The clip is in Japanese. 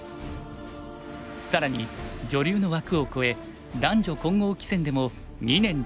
更に女流の枠を超え男女混合棋戦でも２年連続優勝。